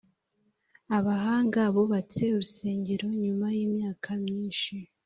abahanga bubatse urusengero nyuma y imyaka myinshi